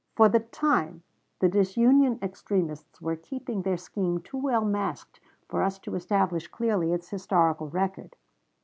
For the time the disunion extremists were keeping their scheme too well masked for us to establish clearly its historical record.